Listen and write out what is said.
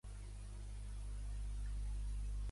Va jugar a l'equip de criquet de Manawatu a la Copa Hawke.